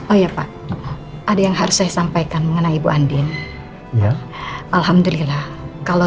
oh ya pak ada yang harus saya sampaikan mengenai ibu andin alhamdulillah kalau